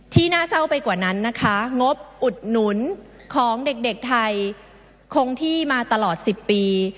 น่าเศร้าไปกว่านั้นนะคะงบอุดหนุนของเด็กไทยคงที่มาตลอด๑๐ปี